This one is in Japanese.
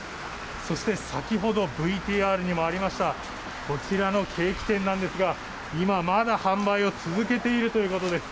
そして先ほど、ＶＴＲでもありましたこちらのケーキ店なんですが、今まだ販売を続けているということです。